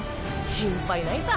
心配ないさ。